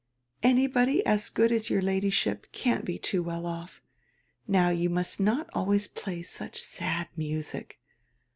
"Anybody as good as your Ladyship can't be too well off. Now you must not always play such sad music.